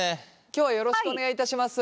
今日はよろしくお願いいたします。